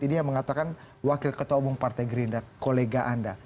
ini yang mengatakan wakil ketua umum partai gerindra kolega anda